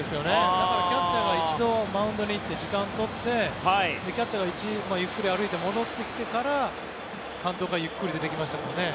だからキャッチャーが一度マウンドに行って時間を取ってキャッチャーがゆっくり歩いて戻ってきてから監督がゆっくり出てきましたからね。